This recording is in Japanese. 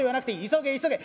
急げ急げ」。